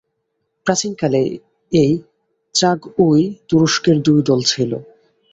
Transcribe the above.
প্রাচীনকালে এই চাগওই-তুরস্কের দুই দল ছিল।